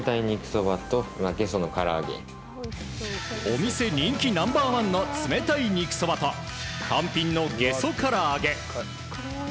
お店人気ナンバー１の冷たい肉そばと単品のゲソからあげ。